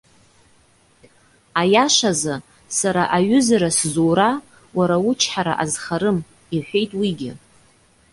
Аиашазы, сара аҩызара сзура, уара учҳара азхарым,- иҳәеит уигьы.